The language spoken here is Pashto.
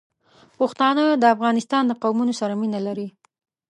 پښتانه د افغانستان د قومونو سره مینه لري.